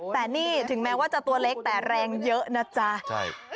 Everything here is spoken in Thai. แต่นี่ถึงแม้ว่าจะตัวเล็กแต่แรงเยอะนะจ๊ะใช่